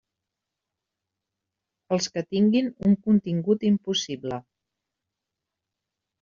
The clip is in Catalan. Els que tinguen un contingut impossible.